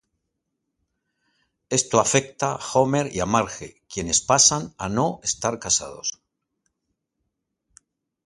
Esto afecta a Homer y a Marge, quienes pasan a no estar casados.